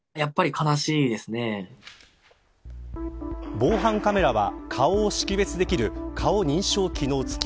防犯カメラは顔を識別できる顔認証機能付き。